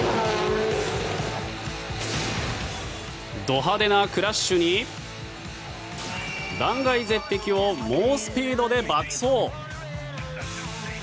ど派手なクラッシュに断崖絶壁を猛スピードで爆走。